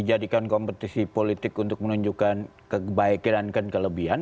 dijadikan kompetisi politik untuk menunjukkan kebaikan dan kelebihan